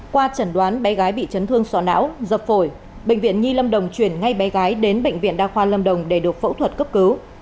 qua chẩn đoán bé gái bị chấn thương sọ não dập phổi bệnh viện nhi lâm đồng chuyển ngay bé gái đến bệnh viện đa khoa lâm đồng để được phẫu thuật cấp cứu